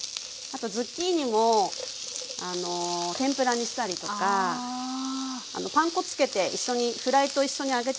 あとズッキーニも天ぷらにしたりとかパン粉つけてフライと一緒に揚げちゃったりしても。